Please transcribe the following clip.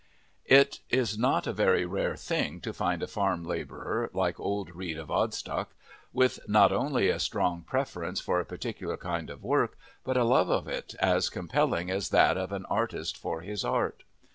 It is not a very rare thing to find a farm labourer like old Reed of Odstock, with not only a strong preference for a particular kind of work, but a love of it as compelling as that of an artist for his art.